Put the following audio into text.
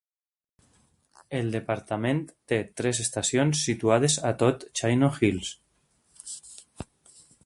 El departament té tres estacions situades a tot Chino Hills.